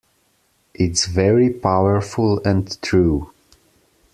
It's very powerful and true.